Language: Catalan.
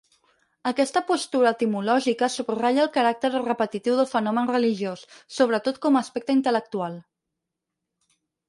Aquesta postura etimològica subratlla el caràcter repetitiu del fenomen religiós, sobretot com a aspecte intel·lectual.